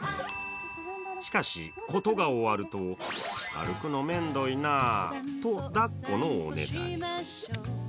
しかし、コトが終わると歩くのめんどいな、と抱っこのおねだり。